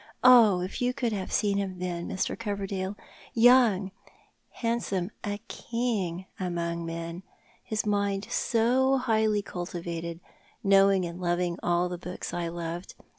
Oh, if you could have seen him then, Mr. Coverdale — young, handsome, a king among men — his mind so highly cultivated— kuowing and loviug all the books I loved.